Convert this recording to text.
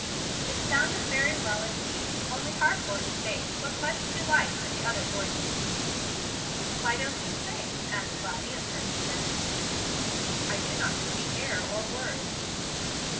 It sounded very well indeed, only Harcourt's bass was much too light for the other voices. "Why don't you sing?" asked Lottie of Hemstead. "I do not know the air or words."